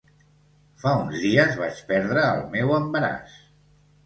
Fa uns dies vaig perdre el meu embaràs.